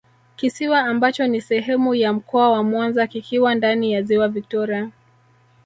kisiwa ambacho ni sehemu ya Mkoa wa Mwanza kikiwa ndani ya Ziwa Victoria